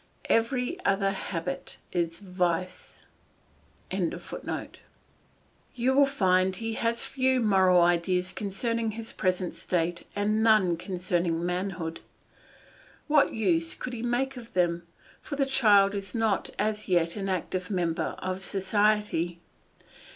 Every other habit is a vice.] You will find he has a few moral ideas concerning his present state and none concerning manhood; what use could he make of them, for the child is not, as yet, an active member of society.